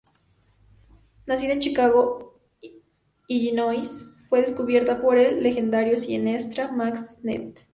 Nacida en Chicago, Illinois, fue "descubierta" por el legendario cineasta Mack Sennett.